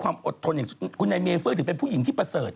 คุณนายเมย์เฟิ้ยถือเป็นผู้หญิงที่เบาพูด